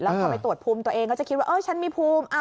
พอไปตรวจภูมิตัวเองก็จะคิดว่าฉันมีภูมิ